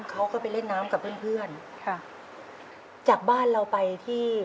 เขาก็ไปเล่นน้ำกับเพื่อนเพื่อนค่ะจากบ้านเราไปที่